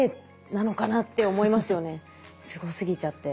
すごすぎちゃって。